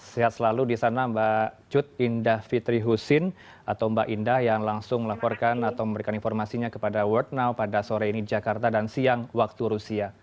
sehat selalu di sana mbak cut indah fitri husin atau mbak indah yang langsung melaporkan atau memberikan informasinya kepada world now pada sore ini di jakarta dan siang waktu rusia